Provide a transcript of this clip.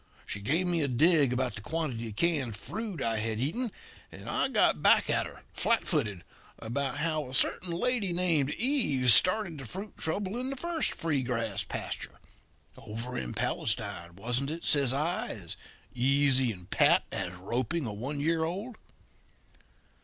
She gave me a dig about the quantity of canned fruit I had eaten, and I got back at her, flat footed, about how a certain lady named Eve started the fruit trouble in the first free grass pasture 'Over in Palestine, wasn't it?' says I, as easy and pat as roping a one year old.